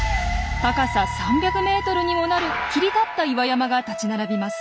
高さ３００ｍにもなる切り立った岩山が立ち並びます。